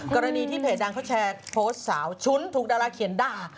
กรณีที่เพจดังเขาแชร์โพสต์สาวชุ้นถูกดาราเขียนด่า